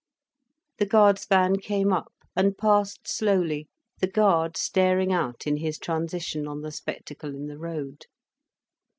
The guard's van came up, and passed slowly, the guard staring out in his transition on the spectacle in the road.